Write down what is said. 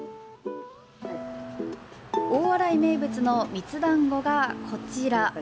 大洗名物のみつだんごが、こちら。